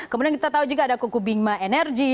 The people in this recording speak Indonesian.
kemudian kita tahu juga ada kuku bingma energy